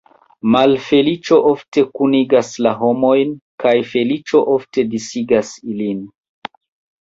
Malfeliĉo ofte kunigas la homojn, kaj feliĉo ofte disigas ilin.